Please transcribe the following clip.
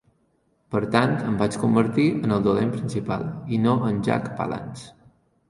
Per tant, em vaig convertir en el dolent principal, i no en Jack Palance.